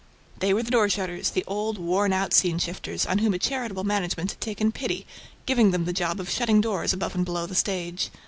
They were the door shutters, the old, worn out scene shifters, on whom a charitable management had taken pity, giving them the job of shutting doors above and below the stage.